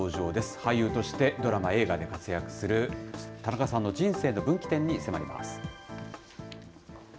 俳優としてドラマ、映画に活躍する田中さんの人生の分岐点に迫ります。